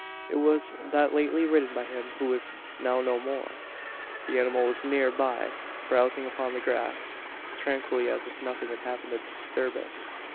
It was that lately ridden by him who was now no more. "The animal was near by, browsing upon the grass as tranquilly as if nothing had happened to disturb it.